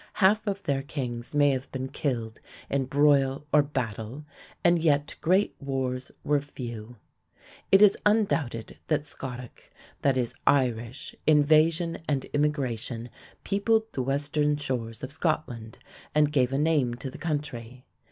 Half of their kings may have been killed in broil or battle, and yet great wars were few. If is undoubted that Scotic, that is, Irish, invasion and immigration peopled the western shores of Scotland and gave a name to the country.